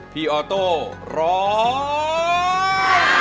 พี่ออโต้ร้อง